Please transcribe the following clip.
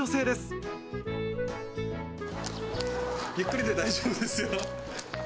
ゆっくりで大丈夫ですよ。